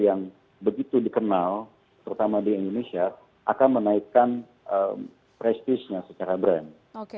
yang begitu dikenal terutama di indonesia akan menaikkan prestisnya secara brand